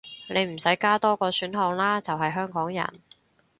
你唔使加多個選項喇，就係香港人